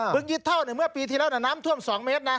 บึงยี่เท่าเนี่ยเมื่อปีที่แล้วน่ะน้ำท่วม๒เมตรนะ